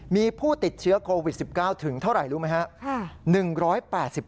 มีผู้ติดเชื้อโควิด๑๙ถึงเท่าไหร่รู้ไหมครับ